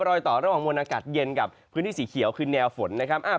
รอยต่อระหว่างมวลอากาศเย็นกับพื้นที่สีเขียวคือแนวฝนนะครับ